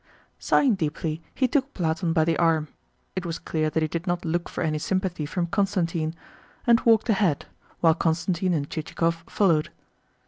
Sighing deeply, he took Platon by the arm (it was clear that he did not look for any sympathy from Constantine) and walked ahead, while Constantine and Chichikov followed.